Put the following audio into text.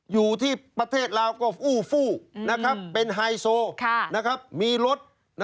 อยู่ที่ประเทศลาวก็อู้ฟู้เป็นฮายโซนะครับมีรถ